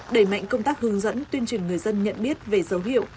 đẩy mạnh công tác hướng dẫn tuyên truyền người dân nhận biết về dấu hiệu